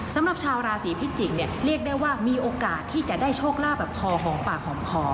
สำหรับชาวราศีพิจิกเนี่ยเรียกได้ว่ามีโอกาสที่จะได้โชคลาภแบบคอหอมปากหอมคอ